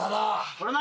これな。